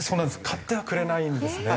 買ってはくれないんですね。